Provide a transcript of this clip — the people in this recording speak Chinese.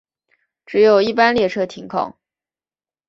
只有一般列车停靠。